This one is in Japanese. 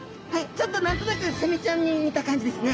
ちょっと何となくセミちゃんに似た感じですね。